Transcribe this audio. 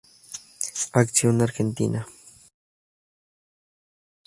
Acción Argentina